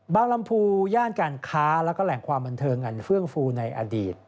ลำพูย่านการค้าแล้วก็แหล่งความบันเทิงอันเฟื่องฟูในอดีต